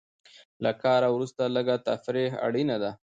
له کار وروسته لږه تفریح اړینه ده.